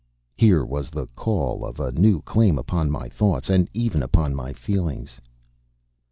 Here was the call of a new claim upon my thoughts and even upon my feelings.